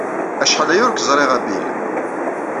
Acḥal aya ur k-ẓriɣ a Bill.